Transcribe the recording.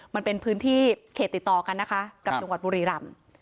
มันเป็นพื้นที่เขตติดต่อกันนะคะกับจังหวัดบุรีรำ